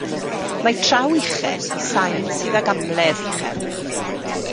Mae traw uchel i sain sydd ag amledd uchel.